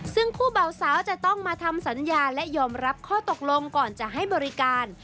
ซึ่งคู่เบาสาวจะต้องมาทำสัญญาและยอมรับข้อตกลงก่อนจะให้บริการ